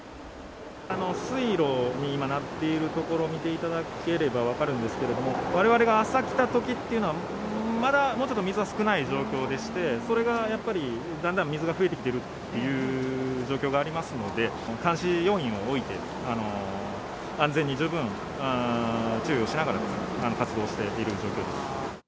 水路に今、なっている所を見ていただければ分かるんですけれども、われわれが朝来たときというのは、まだ、もうちょっと水が少ない状況でして、それがやっぱり、だんだん水が増えてきてるという状況がありますので、監視要員を置いて、安全に十分注意をしながら、活動している状況です。